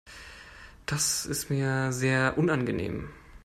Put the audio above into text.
Das ist mir sehr unangenehm.